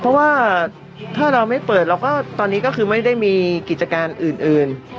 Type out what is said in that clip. เพราะว่าถ้าเราไม่เปิดเราก็ตอนนี้ก็คือไม่ได้มีกิจการอื่น